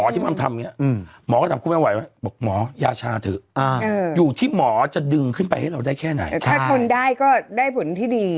เชื่อเพราะว่าแค่แบบเอาจริงถ้าสมมติเราอดทนนี่